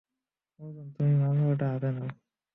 অর্জুন, তুমি মামলাটা হাতে নাও।